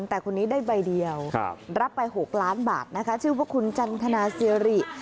แต่คนนี้ได้ใบเดียวรับไป๖ล้านบาทนะคะชื่อว่าคุณจันทนาซิริ